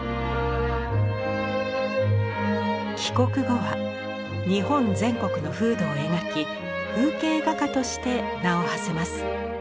帰国後は日本全国の風土を描き風景画家として名をはせます。